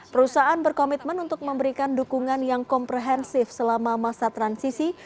perusahaan berkomitmen untuk memberikan dukungan yang komprehensif selama masa transisi